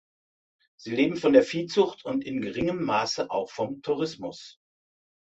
Sie leben von der Viehzucht und in geringem Maße auch vom Tourismus.